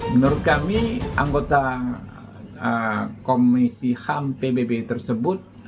menurut kami anggota komisi ham pbb tersebut